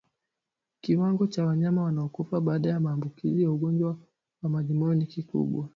Kiwango cha wanyama wanaokufa baada ya maambukizi ya ugonjwa wa majimoyo ni kikubwa